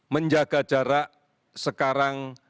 menjaga jarak sekarang